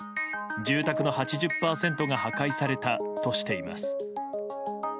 住宅の８０％が破壊されたとしています。